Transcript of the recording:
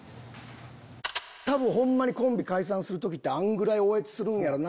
多分コンビ解散する時ってあんぐらい嗚咽するんやろうな。